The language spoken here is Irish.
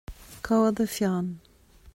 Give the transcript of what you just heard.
Cá bhfuil do pheann